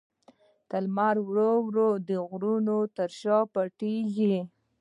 لمر ورو ورو د غرونو تر شا پټېږي.